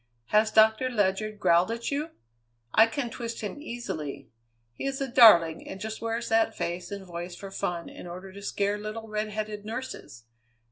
Has Doctor Ledyard growled at you? I can twist him easily! He is a darling, and just wears that face and voice for fun in order to scare little redheaded nurses.